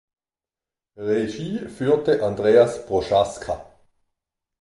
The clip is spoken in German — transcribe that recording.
Regie führte Andreas Prochaska.